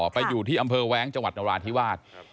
ไปอยู่ที่อำเภอแว้งจังหวัดนราธิวาส